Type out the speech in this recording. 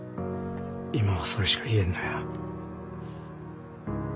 今はそれしか言えんのや。